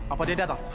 apa dia datang